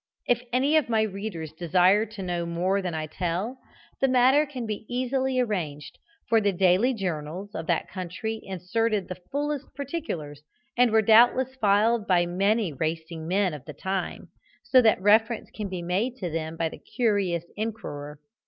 If any of my readers desire to know more than I tell, the matter can be easily arranged, for the daily journals of that country inserted the fullest particulars, and were doubtless filed by many racing men of the time, so that reference can be made to them by the curious inquirer.